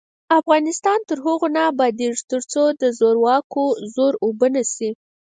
افغانستان تر هغو نه ابادیږي، ترڅو د زورواکانو زور اوبه نشي.